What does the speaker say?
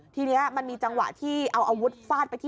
ทีนี้มันมีจังหวะที่เอาอาวุธฟาดไปที่